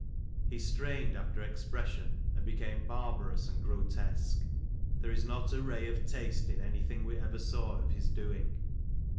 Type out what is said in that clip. He strained after expression and became barbarous and grotesque. There is not a ray of taste in any thing we ever saw of his doing.